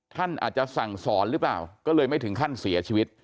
ท่านอาจจะสั่งสอนหรือเปล่าก็เลยไม่ถึงขั้นเสียชีวิต